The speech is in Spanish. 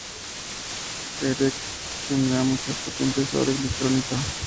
Eckert tenía muchas patentes sobre electrónica.